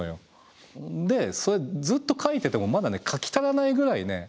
でずっと描いててもまだ描き足らないぐらいね